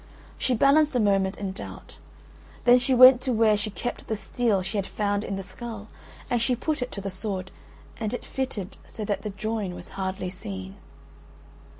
She balanced a moment in doubt, then she went to where she kept the steel she had found in the skull and she put it to the sword, and it fitted so that the join was hardly seen.